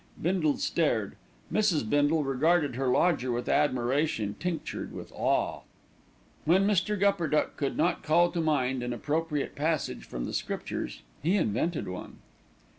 Bindle stared. Mrs. Bindle regarded her lodger with admiration tinctured with awe. When Mr. Gupperduck could not call to mind an appropriate passage from the Scriptures, he invented one.